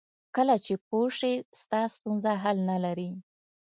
کله چې پوه شې ستا ستونزه حل نه لري.